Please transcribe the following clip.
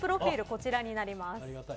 こちらになります。